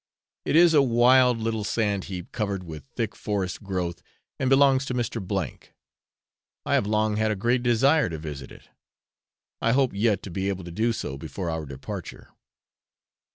It is a wild little sand heap, covered with thick forest growth, and belongs to Mr. . I have long had a great desire to visit it. I hope yet to be able to do so before our departure.